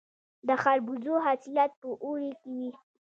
د خربوزو حاصلات په اوړي کې وي.